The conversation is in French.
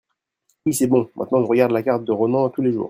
oui c'est bon, maintenant je regarde la carte de Ronan tous les jours.